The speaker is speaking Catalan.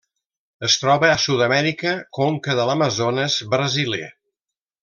Es troba a Sud-amèrica: conca de l'Amazones brasiler.